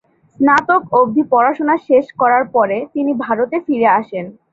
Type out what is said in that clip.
স্নাতক অবধি পড়াশুনা শেষ করার পরে, তিনি ভারতে ফিরে আসেন।